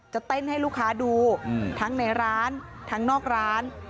จะเต้นให้ลูกค้าดูทั้งในร้านทั้งนอกร้าน